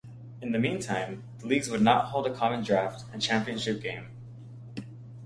In the meantime, the leagues would hold a common draft and championship game.